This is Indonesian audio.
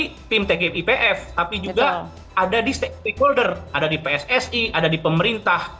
dan eksekusinya itu bukan di tim tgipf tapi juga ada di stakeholder ada di pssi ada di pemerintah